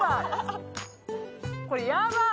これやばっ！